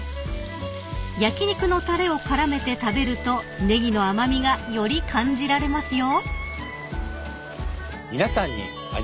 ［焼き肉のたれを絡めて食べるとネギの甘味がより感じられますよ］